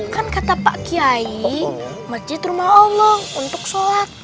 kan kata pak kiai masjid rumah allah untuk sholat